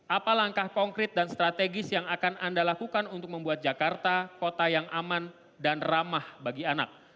apa langkah konkret dan strategis yang akan anda lakukan untuk membuat jakarta kota yang aman dan ramah bagi anak